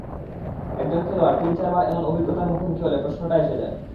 একজন খেলোয়াড় তিন-চার বার এমন অভিজ্ঞতার মুখোমুখি হলে প্রশ্নটা এসে যায়।